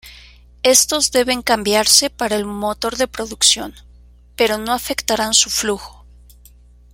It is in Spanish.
Estos deben cambiarse para el motor de producción, pero no afectarán su flujo.